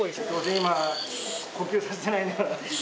今呼吸させてないんだから。